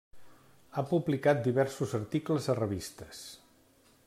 Ha publicat diversos articles a revistes.